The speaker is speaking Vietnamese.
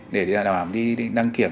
để đảm bảo đi đăng kiểm